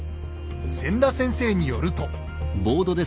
千田先生によると。